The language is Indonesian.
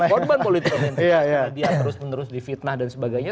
dan menjadi korban politik identitas karena dia terus menerus difitnah dan sebagainya